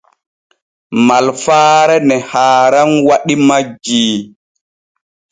Malfaare ne haaran waɗi majjii.